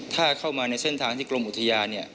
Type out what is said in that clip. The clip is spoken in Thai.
ถ้าเข้ามาในเส้นทางที่กรมอุทยาน